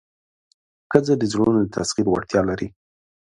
ښځه د زړونو د تسخیر وړتیا لري.